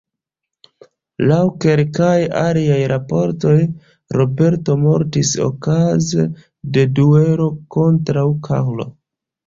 Laŭ kelkaj aliaj raportoj, Roberto mortis okaze de duelo kontraŭ Karlo.